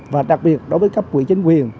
và đặc biệt đối với các quỹ chính quyền